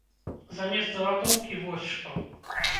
Замест залатоўкі вось што!